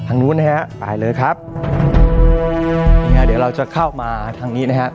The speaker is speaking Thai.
นู้นนะฮะไปเลยครับนี่ไงเดี๋ยวเราจะเข้ามาทางนี้นะฮะ